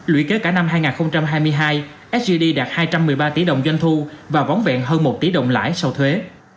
lũy kế cả năm hai nghìn hai mươi hai sgd đạt hai trăm một mươi ba tỷ đồng doanh thu và vón vẹn hơn một tỷ đồng lãi sau thuế